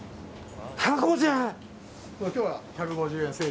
１５０円？